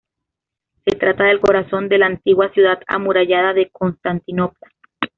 Se trata del corazón de la antigua ciudad amurallada de Constantinopla.